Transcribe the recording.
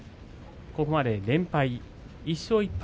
ここまで連敗１勝１敗